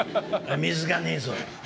水がねえぞ！